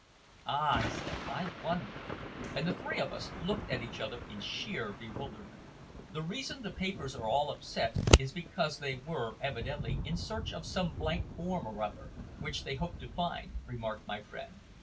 "Ah!" I said. "I wonder!" And the three of us looked at each other in sheer bewilderment. "The reason the papers are all upset is because they were evidently in search of some blank form or other, which they hoped to find," remarked my friend.